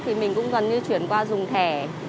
thì mình cũng gần như chuyển qua dùng thẻ